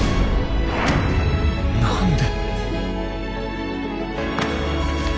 何で。